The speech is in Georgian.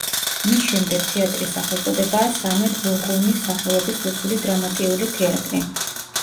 მის შემდეგ თეატრის სახელწოდებაა სამედ ვურღუნის სახელობის რუსული დრამატიული თეატრი.